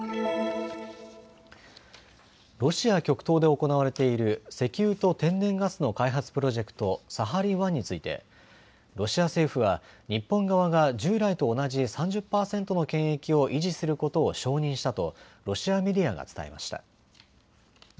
ロシア極東で行われている石油と天然ガスの開発プロジェクト、サハリン１についてロシア政府は日本側が従来と同じ３０％の権益を維持することを承認したとロシアメディアが伝えました。